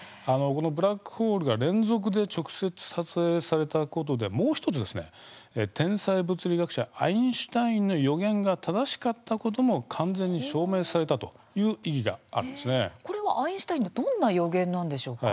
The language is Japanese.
ブラックホールが連続で直接撮影されたことで、もう１つ天才物理学者アインシュタインの予言が正しかったことも完全に証明されたこれはアインシュタインのどんな予言なんでしょうか？